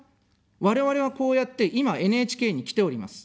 我々はこうやって、今、ＮＨＫに来ております。